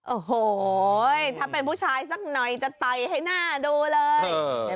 โอ้โหถ้าเป็นผู้ชายสักหน่อยจะต่อยให้หน้าดูเลย